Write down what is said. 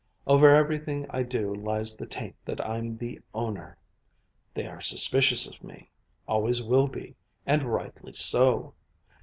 Over everything I do lies the taint that I'm the 'owner'! They are suspicious of me, always will be and rightly so.